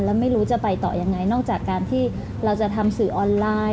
แล้วไม่รู้จะไปต่อยังไงนอกจากการที่เราจะทำสื่อออนไลน์